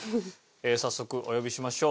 早速お呼びしましょう。